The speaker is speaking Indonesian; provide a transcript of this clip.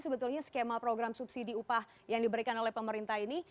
sebetulnya skema program subsidi upah yang diberikan oleh pemerintah ini